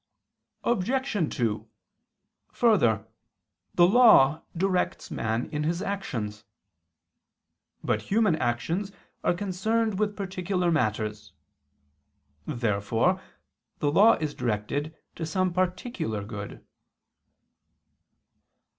Obj. 2: Further, the law directs man in his actions. But human actions are concerned with particular matters. Therefore the law is directed to some particular good.